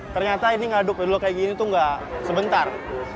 ternyata ini ngaduk kayak gini tuh nggak sebentar